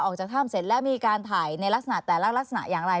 ออกจากถ้ำเสร็จแล้วมีการถ่ายในลักษณะแต่ละลักษณะอย่างไร